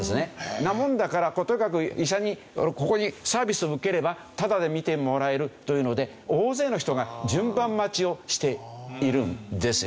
なもんだからとにかく医者にここにサービスを受ければタダで診てもらえるというので大勢の人が順番待ちをしているんですよね。